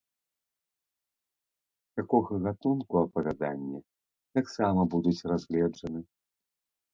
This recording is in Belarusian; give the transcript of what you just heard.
Такога гатунку апавяданні таксама будуць разгледжаны.